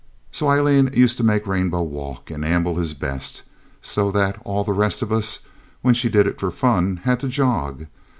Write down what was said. So Aileen used to make Rainbow walk and amble his best, so that all the rest of us, when she did it for fun, had to jog.